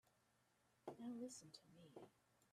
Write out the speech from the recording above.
Now listen to me.